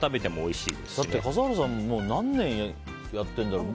だって、笠原さんもう何年やってるんだろう？